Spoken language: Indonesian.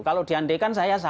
kalau diandaikan saya salah